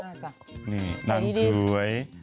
นี่ดังชวย